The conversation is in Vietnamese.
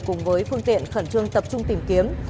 cùng với phương tiện khẩn trương tập trung tìm kiếm